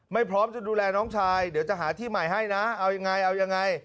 ไม่พร้อมจะดูแลน้องชายเดี๋ยวจะหาที่ใหม่ให้นะ